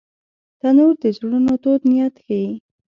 تنور د زړونو تود نیت ښيي